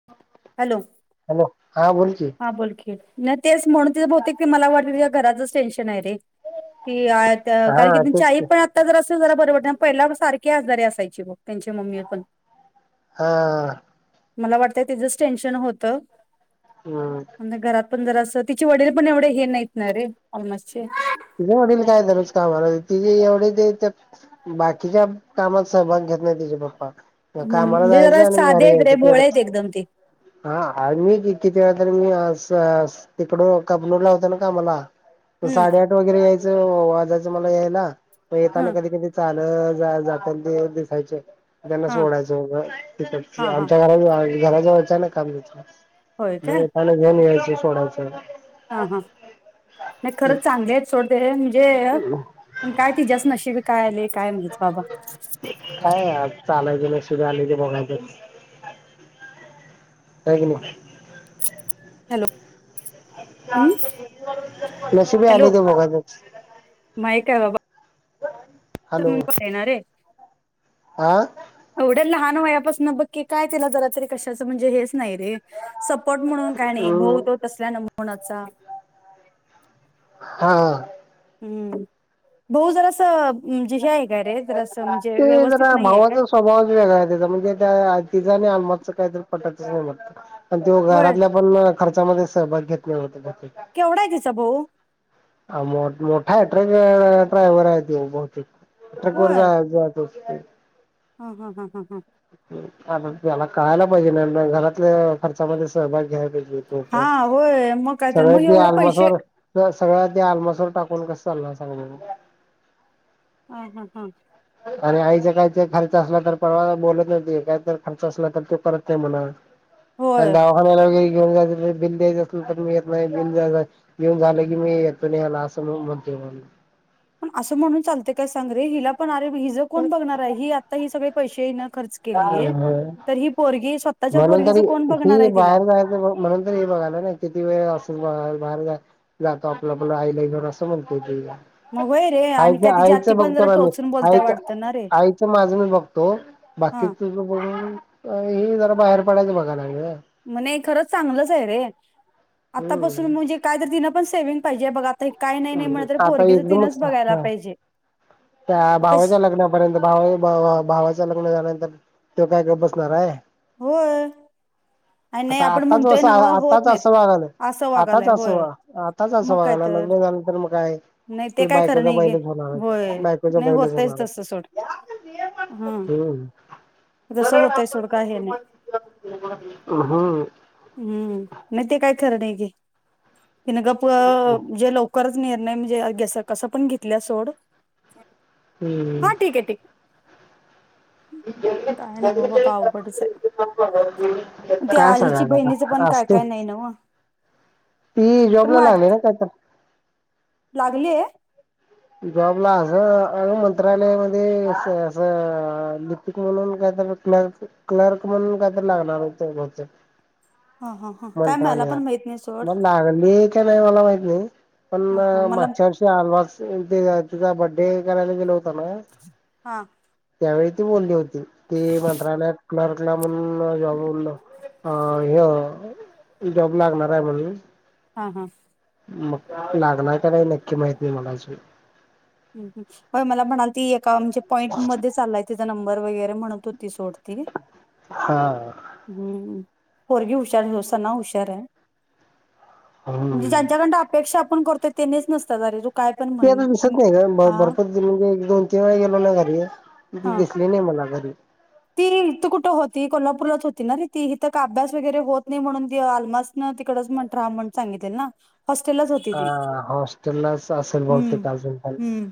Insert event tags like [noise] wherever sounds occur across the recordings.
[inaudible] Hello hello हा बोल की. हा बोल की, नाही तेच म्हणून बहुतेक मला वाटते ते घराचंच टेन्शन हाय रे. ती अ ते कारण की हा त्यांची तेच आई पण आता जर असेल जरा बरे वाटत पहिला सारख आजारी असायची बग. त्यांच्या मम्मीला पण, हा मला वाटतंय त्याचच टेन्शन होतं. हम्म. घरात पण जरासं तिचे वडील पण एवढे हे नाहीत ना रे आलमासचे. तिझे वडील काय दररोज कामाला, तिथे एवढे द्यायच बाकीच्या कामात सहभाग घेत नाही तिजे पप्पा. मग हम्म कामाला म्हणजे जरा जायचं आणि साधे घरी आहेत रे यायचं भोळे तेवढंच. आहेत एकदम ते हा मी किती वेळा तर मी अ स स तिकडं कबनूरला होतो ना कामाला. हम्म साडेआठ वगैरे यायचं, वाजायचं मला यायला पण येताना हं कधी कधी चालत जाता ना ते दिसायचे. त्यांना हा सोडायचं हों त, हा हा आमच्या घरा घरा जवळचं ना काम तेच. होय काय नाही त्याने जध्यान यायचे सोडायचं. हा हा. नाही खरंच चांगले येत, सोडते म्हणजे काय पण काय तिच्याज नशीबी काय आले. काय नाही चं बाबा. काय चालायचं नशीबी आले ते भोगायच़चं. [unintelligible] नाही. हॅलो हम्म नशीबी हॅलो आलंय ते भोगायच. येणारे. आं? एवढ्या लहान वयापासून बघ की काय तिला जरा तरी कशाचं म्हणजे हेच नाही रे. सपोर्ट म्हणून काय नाही, हम्म भाऊ तो तसल्या नमुन्याचा. हां. हम्म. भाऊ जरा असं म्हणजे हे, आहे काय रे जरा असं म्हणजे ते व्यवस्थित जरा नाही आहे काय. भावाचा स्वभावच वेगळा आहे त्याचा, म्हणजे त्या तिचा आणि आलमातच काहीतरी पटतच नाही म्हटत. आणि त्यो होय घरातल्या पण खर्चामध्ये सहभाग घेतले नव्हते त्याचे. केवढा आहे तीचा भाऊ? ये मोठा, मोठा ट्रक ड्रायवर आहे तो बहुतेक. ट्रक वर जायचा तेच की, ह ह ह ह हं. आता त्याला कळायला पाहिजे ना, घरातल्या खर्चामध्ये सहभाग घ्यायला हा पाहिजे. होय मग काय [unintelligible] तर मग सगळं ते एवढं पैसे आलमासवर. सगळ्या ते आलमसोर टाकून कसं चाल सांगा बघू. ह हा हा. आणि आईचे काही ते खर्च असला तर, परवा बोलत नाही काहीत खर्च असला तर तो करत नाही म्हणा. आणि होय. दावाखान्याला वगैरे घेऊन जायच, बिल द्यायच असल तर मी येत नाही बिल द्यायला. येऊन झालं की मी येतो न्हायला, असं म्हणून म्हणतो मग. अस म्हणून चालतंय काय सांग रे, हिला पण अरे हि कोण बघणार आहे ही, आता हिचे सगळे पैसे खर्च. केली, तर ही पोरगी स्वतःच्या पोरगीच कोण बघणार आहे तिला? म्हणूनर हे बघाय ना, किती वेळ असंच बघा बाहेर जा जातो आपलं, आपलं आईला असं म्हणतोय की. मग होय रे आणि आईच काय तिची आईच आत्ती पण बघतो जरा मी, टोचून बोलत्या आईच वाटतं ना रे आईचं माझ मी बघतो. कि हा तुझ म्हणून, ही जरा बाहेर पडायचं बघा लागलीये ग म्हणे खरंच चांगलंच आहे रे, आतापासून हम्म म्हणजे. काय तर तिनं पण सेव्हिंग पाहिजे बघ, आता काही नाही नाही म्हण आता पोरगीच तिनंच एकदमच बघायला हा पाहिजे. त्या आता श- भावाच्या लग्नापर्यंत भावा, भावाच्या लग्न झाल्यानंतर तो काय गप्प बसणार आहे. हो. आता आताच असं नव होत आताच नाहीत असं वागालय, असं आताच वागालाय होय असं आताच मग काय असं तर लग्न झाले नंतर. तर मग काय नाही ते, काय खरं बायकोचा नाही गे बैलेच होणार होय बायकोचा नाही बैलेच होतयच होणार. तसं सोड हा हम्म. जसं होतय सोड काय हे नाही हम्म. हम्म. नाही ते काय खरं नाही घे, तिने गप जे लवकरच निर्णय. नाही म्हणजे, घ कस पण घेतल्या सोड. हम्म. हा ठीक आहे ठीक आहे काय नव्ह बाबा अवघडच आहे. त्या काय आरीची सांगायचं बहिणीचं आता पण काय असते काय नाही नव. ती जॉबला लागली ना कायतर. लागलीये? जॉबला असं मंत्रालय मध्ये असं असं. म्हणून काय तर क्ल- क्लर्क, म्हणून काय तर लागणार होती बहुतेक. हा हा हा काय मला मंत्रालयात पण माहित नाही सोड मग लागली. नाही मला माहित नाही, पण हा हा मला मागच्या वर्षी आलमास. तिचा बड्डे करायला गेलो होतो ना. हा. त्यावेळी ती बोलली होती, की मंत्रालयात क्लर्कला म्हणून जॉबवर लावतो. अं.. हे जॉब लागणार आहे म्हणून. हा हा. मग लागणार का नाही नक्की माहित नाही मला अजून. व्हय मला म्हणालती एका म्हणजे पॉईंटध्ये चाललाय, तीचा नंबर वगैरे म्हणत ती सोडते. हा हम्म, पोरगी हुशार [unintelligible] सना हुशार हाय. म्हणजे हम्म ज्यांच्याकडंनं अपेक्षा आपण करतो, तेनेच नुसता [unintelligible] ते आता दिसत नाही गं, बर [unintelligible] म्हणजे एक दोन तीन वेळा गेलो ना घरी, तिथं हा दिसली नाही मला घरी. ती इथं कुठं होती, कोल्हापूरला होती ना रे ती. इथं का अभ्यास वगैरे होत नाही, म्हणून ती आलमास नं तिकडच [unintelligible] राहा म्हण सांगितलेलं ना. हॉस्टेलाच होती हा ती, हॉस्टेललाच असेल हम्म बहुतेक अजून पण हम्म.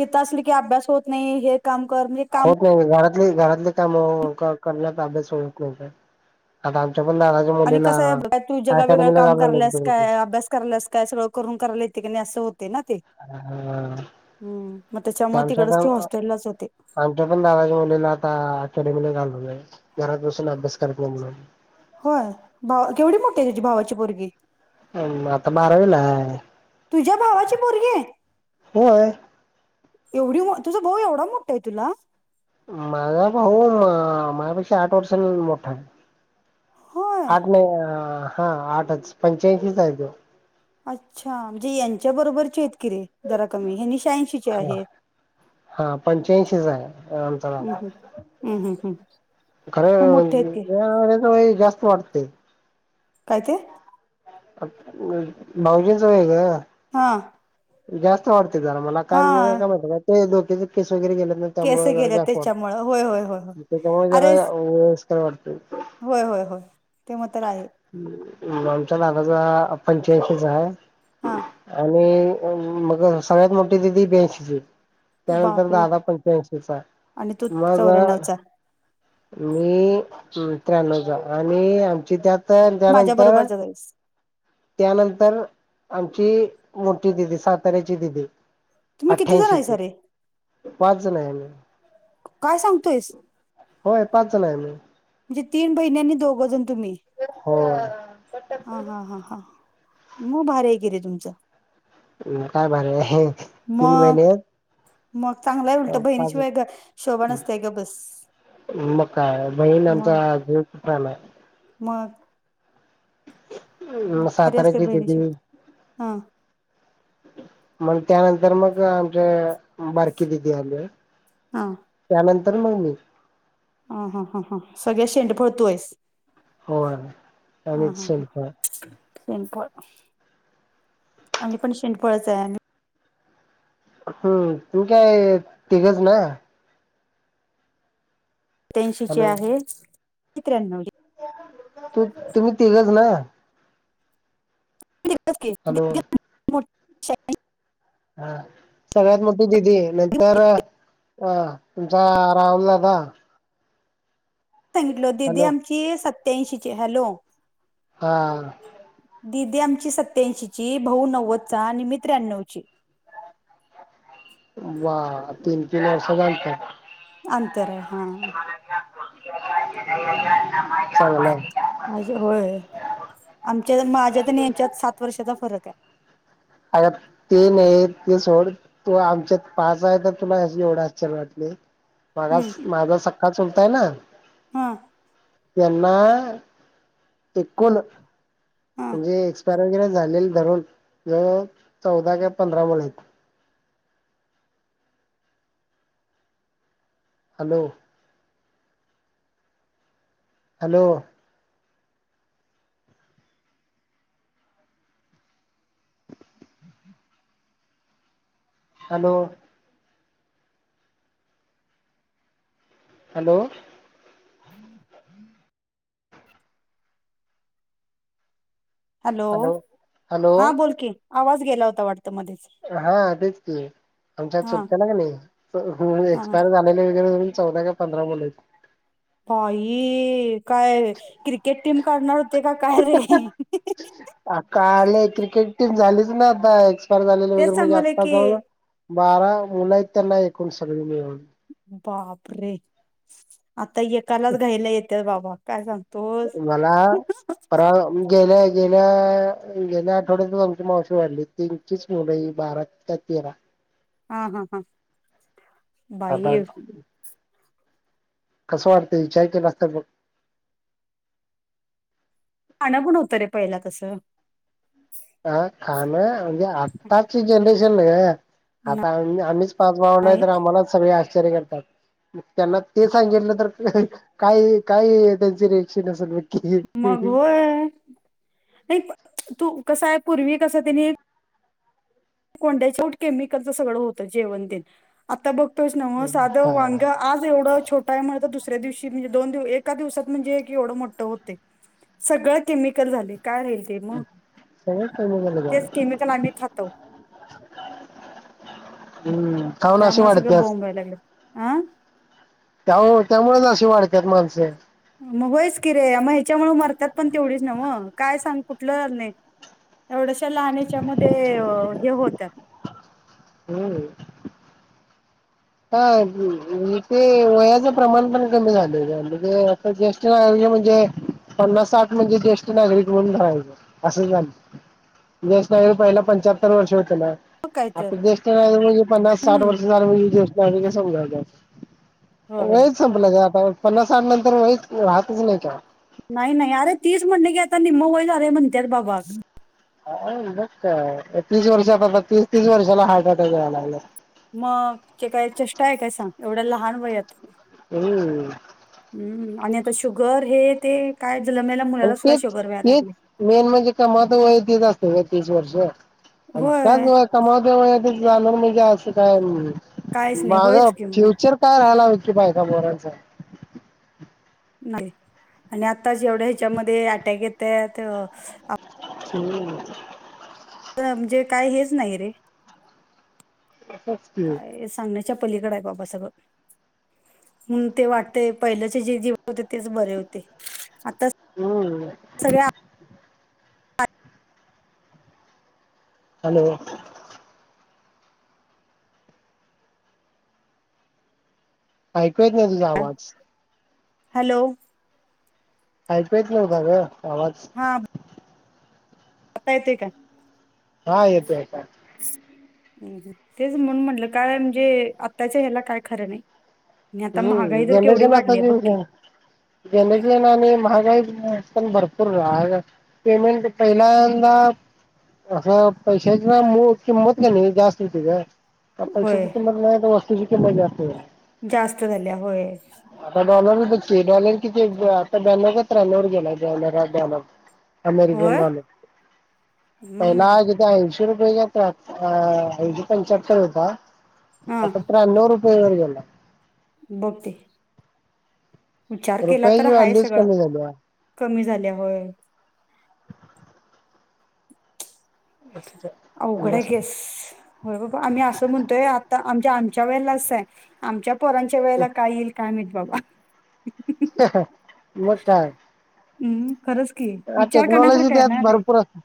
हित असली की अभ्यास होत नाही. हे काम कर, ते काम कर. घरात घरातले काम करण्यात, अभ्यास होत नाही गं आता आमच्या पण दादा ची. आणि कसं आहे बघा तू, जगावेेगळं काम कराल्यास काय घालवलं अभ्यास. करायल्यास काय सगळं, करून करायला येते की नाही असं होतंय ना ते. हम्म, मग त्याच्यामुळं तिकडच ती हॉस्टेललाच होते. तो पण आता दादाचा मुलीला आता अकॅडमीला, घालून घरात बसून अभ्यास करत नाही म्हणून. होय. भावा केवढी मोठीे आहे, तुझ्या भावाची पोरगी. अं आता बारावीला हाय. तुझ्या भावाची पोरगी. होय. एवढी मो तुझा भाऊ एवढा मोठा आहे तुला? माझा भाऊ माझ्यापेक्षा आठ वर्षांनी मोठा हाय. होय आठ नाही हा आठच पंच्याऐंशी चा हाय तो. अच्छा म्हणजे यांच्या बरोबरचे आहेत की रे, जरा कमी हेनी शहाऐंशी. हां पंच्याऐंशीच आहे आमचा दादा. हम् हम् हम्. खरं जरा हेज वय जास्त वाटतंय. काय ते, भाऊजींच वय गं. हां. जास्त वाटते जरा मला कारण, हा काय का ते डोक्याचे केस वगैरे गेल्यांत. केस त्यामुळे जरा गेल्या जास्त त्याच्यामुळं होय होय होय होय वाटतं, त्याच्यामुळं जरा वयस्कर वाटतं. व्हय व्हय व्हय, ते मातर आहे. आमच्या दादाचा पंच्याऐंशीच आहे. हां. आणि मग सगळ्यात मोठी दिदि ब्याशीची. त्यानंतर बापरे दादा पंच्यांशीचा आणि तू मग. चौऱ्याण्णवचा मी त्र्यानव चा, आणि आमची त्यात. तर माझ्या त्यानंतर बरोबरचा आहेस त्यानंतर, आमची मोठी दीदी साताऱ्याची दीदी. तुम्ही किती जण अठ्ठ्यांशीचे आहेसा रे पाच जण आहे आम्ही. काय सांगतोयस? होय पाच जण आहे आम्ही. म्हणजे तीन बहिणी आणि दोघंजण तुम्ही. होय. हा हा हा हा, मग भारी आहे की र तुमचं. हम्म. काय भारी ये तीन मग महिने. मग चांगलाय उलटं, बहिणी पाच शिवाय ग शोभा नसते गप बस. मग काय? बहीण आमचा मग जीव की प्राण आहे. मग मग भारी असते साताराची दिदी. बहिणीची हा मग त्यानंतर मग आमची, बारकी दिदी आले. हा. त्यानंतर मग मी. ह ह ह ह, सगळ्यात शेंडेफळ तू हाईस. होय आणिच ह शेल्फ शेंडफळ आम्ही पण शेंडफळच आहे आणि. हम्म तुम्ही काय तिघच ना? सत्यांशीची हॅलो आहे, मी त्र्यानवली तू तुम्ही तिघच ना? हॅलो. [unintelligible] हा. सगळ्यात मोठी दीदी आहे, नंतर हा तुमचा राहुल दादा सांगितलो दीदी हॅलो आमची सत्याऐंशीचीये हॅलो. हा. दीदी आमची सत्त्याऐंशीची, भाऊ नव्वदचा आणि मी त्र्याण्णवची. वा तीन तीन वर्ष झालतात. अंतर आहे हा. चांगलं आहे. माझे, होय आमच्या माझ्या तर यांच्यात सात वर्षाचा फरक आहे. अगं ते नाही ते सोड. ते आमच्यात पाच आहे, तर तुम्हाला एवढं आश्चर्य वाटले. आहे हम्म [unintelligible] माझा सक्का चुलता आहे ना हा. त्यांना एकूण हा म्हणजे एक्सपा लग्न झालेल धरून गळ चौदा काय, पंधरा मुली हायत. Hello. Hello hello hello. Hello hello हा बोलकी, आवाज गेला होता वाटत मध्येच. हा तेच की, आमच्यात हा चुलता ना की नाही हा एक्सपायर झाला. मला एक धरुन चौदा काय पंधरा मुलं आहेत. बाई, काय क्रिकेट टीम काढणार होते का काय रे? अ काल क्रिकेट टीम झालीच ना आता एक्सपायर झालेली तेच वगैरे म्हणजे सांगले आत्ता की जाऊ ना बारा मुल आहेत त्यांना एकूण सगळी मिळून. बापरे आता एकालाच घाईला येतंय बाबा, काय सांगु. मला फराळ गेल्या गेल्या, गेल्या आठवड्यात आमची मावशी वारली, त्यांचीच पोरं ही बारा. त्यात तेरा. हा हा हा, आता बाई कसं वाटतं विचार केलास तर मग. खाण पण होतं रे पहिला तसं. हा, खाणं म्हणजे आत्ताची जनरेशन ग नाही आता आम्हीच. पाच भाव नाही तर आम्हानाच सगळे आश्चर्य करतात. मग त्यांना ते सांगितलं तर, काय काय त्यांचे रियाक्षण असेल भा मग वय नाही तू कसं आहे पूर्वी कसं त्यानी कोंड्याचे वट केमिकलचं सगळं होतं जेवण तेन. आता बघतोयस ना म सादं हा वांग्या आज एवढं छोटा आहे मळ ज दुसऱ्या दिवशी म्हणजे दोन दिव एका दिवसात म्हणजे की एवढं मोठं होते. सगळं केमिकल झाले काय राहील ते मग, सगळंच कमी झालं का तेच केमिकल आम्ही खातो. हम्म. खाऊन अशी त्यामुळे सगळं वाढत्यात बोंब लागल्या आं. त्या ओ त्यामुळेच अशी वाढत्यात माणसं. मग वयच कि रे मग ह्याच्यामुळे मरतात पण तेवढीच नव, काय सांग कुठलं नाही. एवढ्याश्या लहानेच्यामध्ये ओ हे होत्यात. होय. ता इथे वयाचा प्रमाण पण कमी झाले म्हणजे असं जास जस म्हणजे पन्नास साठ म्हणजे ज्येष्ठ नागरिक म्हणून धरायचं, असं झालय. जेष्ठ नागरिक पहिल पंच्याहत्तर वर्ष होत ना. मग काय तर आता जेष्ठ नागरिक म्हणजे पन्नास साठ हम्म वर्ष झालं म्हणजे, जेष्ठ नागरिक समजायचंय. होय वय संपलं गं आता पन्नास साठ नंतर वय राहतच नाही का. नाही नाही अरे तीस म्हणलं कि आता निम्मं वय झालं म्हणतेय रे बाबा. काय मग काय? तीस वर्षात आता तीस वर्षाला हार्ट अटॅक यायला लागलं. मग ते काय चेष्टा आहे काय सांग एवढ्या लहान वयात. अ हं हम्म आणि आता शुगर हे ते काय जेला मेला आणि तेच तेच मेन म्हणजे कमवत वय तेच असत वो तीस वर्ष. होय कमवत्या वयात जाणार म्हणजे असं काय काहीच नाही माझा होयच की मग फ्युचर काय राहिलं हो की बायका, पोरांचा. नाही आणि आताच एवढ्या ह्याच्यामध्ये अटॅक येत्यात [unintelligible] असं म्हणजे काय हेच नाही रे असंच की काय सांगायच च्या पलीकड आहे बाबा सगळं. हं ते वाटते पहिल्याचे जे जीवन होते तेच बरे होते, आताच. हम्म. सगळ्या आत. हॅलो. ऐकू येत नाही तुझा आवाज. हॅलो. ऐकू येत नव्हता गं तेव्हाच. हां. आ ता येते का? हा येतो आता. [unintelligible] तेच म्हणून म्हटलं काय म्हणजे आत्ताच्या ह्याला काय खरं नाही. आणि आता हम्म महागाई तरी केवढी जनरेशन वाढली आहे बघ की. आताची [unintelligible] आणि महागाई पण भरपूर राह गं. पेमेंट पहिल्यांदा असं पैशची ना मुळ किंमत क नी जास्त होते गं. पैशाची होय किंमत नाही, तर वस्तूची किंमत जास्त आहे. जास्त झाल्या होय. आता डॉलर बघ की डॉलर किती आता ब्याण्णव का त्र्याण्णववर गेलाय. [unintelligible] अमेरिकन होय डॉलर पहिला हम्म अजून ऐंशी रुपय काय ऐशे अ.... पंच्याहत्तर होता. हा आता त्र्यानव रुप [unintelligible] बघते विचार केला तर रुपयाची हाय व्हॅल्यूच सगळं. कमी झाली कमी झाल्या होय. अवघड आहे केस. होय बाबा आम्ही असं म्हणतोय आता आमच्या आमच्या वेळेलाच आहे आमच्या पोरांच्या वेळेला काय येईल काय माहित बाबा. मग काय हम्म खरंच की विचार टेक्नॉलॉजी करण्यासारखं आहे त्यात ना ते. भरपूर असते